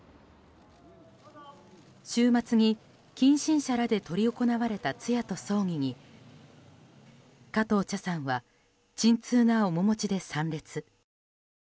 週末に近親者らで執り行われた通夜と葬儀に加藤茶さんは沈痛な面持ちで参列。